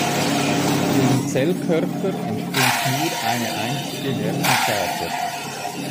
Dem Zellkörper entspringt nur eine einzige Nervenfaser.